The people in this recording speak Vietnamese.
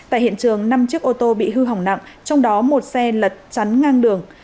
tại hiện trường năm chiếc ô tô bị hư hỏng nặng trong đó một xe lật chắn ngang đường